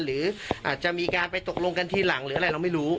หรืออาจจะมีการไปตกลงกันทีหลังหรืออะไรเราไม่รู้